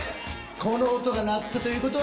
この音が鳴ったということは